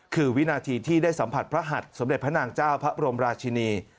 คือวินาทีที่ได้สัมผัสพระหัดสมเด็จพระนางเจ้าพระบรมราชินี